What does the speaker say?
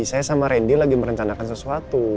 saya sama randy lagi merencanakan sesuatu